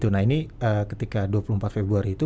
nah ini ketika dua puluh empat februari itu